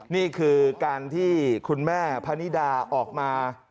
นี่คือการที่คุณแม่พะนิดาออกมา